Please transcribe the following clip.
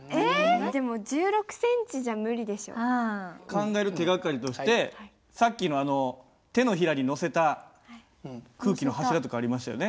考える手がかりとしてさっきの手のひらに載せた空気の柱とかありましたよね。